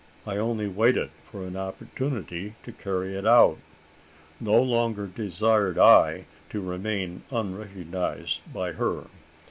I only waited for an opportunity to carry it out. No longer desired I to remain unrecognised by her.